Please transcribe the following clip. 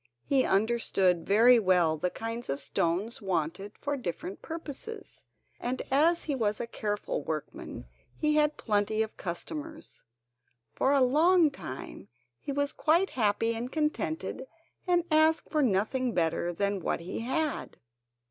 He understood very well the kinds of stones wanted for the different purposes, and as he was a careful workman he had plenty of customers. For a long time he was quite happy and contented, and asked for nothing better than what he had.